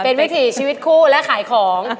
เป็นวิถีชีวิตคู่และขายของ